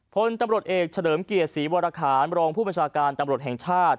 พลตำรวจเอกเฉลิมเกียรติศรีวรคารรองผู้ประชาการตำรวจแห่งชาติ